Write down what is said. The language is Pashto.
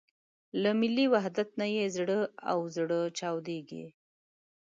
له ملي وحدت نه یې زړه او زره چاودېږي.